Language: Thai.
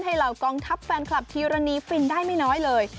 เหล่ากองทัพแฟนคลับทีรณีฟินได้ไม่น้อยเลย